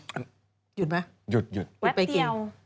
หยุดมั้ยแวบเดียวหยุดไปกิน